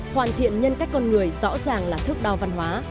hoàn thiện nhân cách con người rõ ràng là thước đo văn hóa